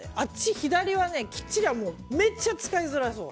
左、きっちりはめっちゃ使いづらそう。